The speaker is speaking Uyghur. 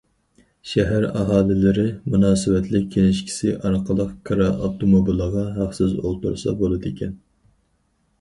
شەھەر ئاھالىلىرى مۇناسىۋەتلىك كىنىشكىسى ئارقىلىق كىرا ئاپتوموبىلىغا ھەقسىز ئولتۇرسا بولىدىكەن.